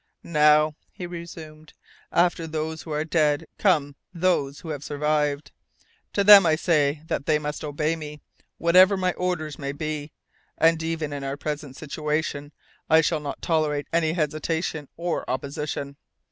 "Now," he resumed, "after those who are dead come those who have survived. To them I say that they must obey me, whatever my orders may be, and even in our present situation I shall not tolerate any hesitation or opposition.